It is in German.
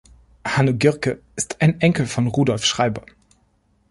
Hanno Girke ist ein Enkel von Rudolf Schreiber.